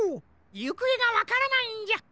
ゆくえがわからないんじゃ。